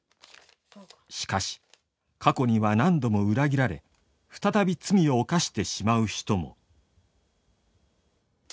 しかし過去には何度も裏切られ再び罪を犯してしまう人も。